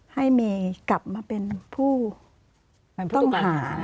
เมย์กลับมาเป็นผู้ต้องหา